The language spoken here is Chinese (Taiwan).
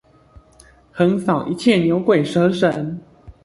橫掃一切牛鬼蛇神！